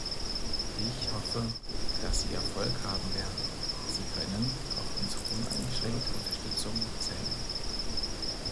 Ich hoffe, dass Sie Erfolg haben werden, Sie können auf unsere uneingeschränkte Unterstützung zählen.